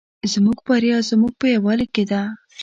زموږ بریا زموږ په یوالي کې ده